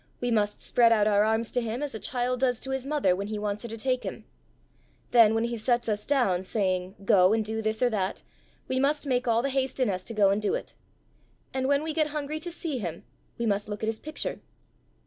We must spread out our arms to him as a child does to his mother when he wants her to take him; then when he sets us down, saying, 'Go and do this or that,' we must make all the haste in us to go and do it. And when we get hungry to see him, we must look at his picture."